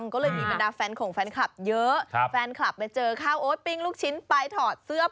คือปลดกระดุมเสื้อ